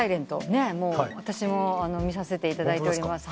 私も見させていただいてます。